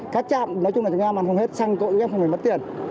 các chạm nói chung là chúng em ăn không hết sang cội các em không phải mất tiền